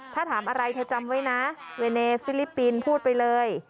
ถ้าถามอะไรเธอจำไว้นะเวเนฟิลิปปินส์พูดไปเลย